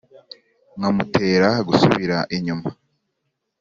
Nkamutera gusubira inyuma